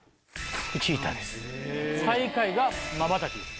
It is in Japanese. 最下位がまばたき。